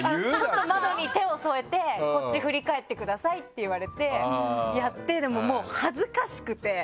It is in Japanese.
「ちょっと窓に手を添えてこっち振り返ってください」って言われてやってでももう恥ずかしくて。